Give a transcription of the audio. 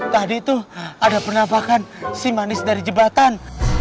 tadi tuh ada penampakan si manis dari jebatan